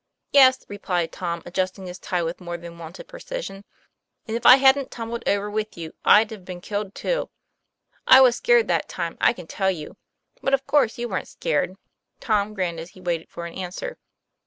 'Yes," replied Tom, adjusting his tie with more than wonted precision; "and if I hadn't tumbled over with you, I'd have been killed too. I was scared that time, I can tell you. But, of course, you weren't scared." Tom grinned as he waited for an answer.